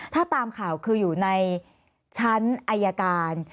ถ้าตามข่าวคืออยู่ในชั้นอายการ